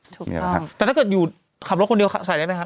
ถูกต้องครับแต่ถ้าเกิดอยู่ขับรถคนเดียวใส่ได้ไหมครับ